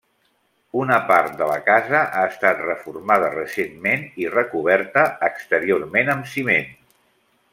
Una part de la casa ha estat reformada recentment i recoberta exteriorment amb ciment.